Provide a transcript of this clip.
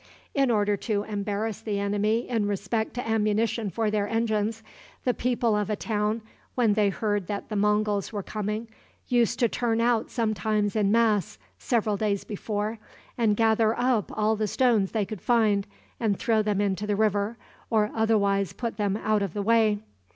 In order to embarrass the enemy in respect to ammunition for their engines, the people of a town, when they heard that the Monguls were coming, used to turn out sometimes in mass, several days before, and gather up all the stones they could find, and throw them into the river, or otherwise put them out of the way.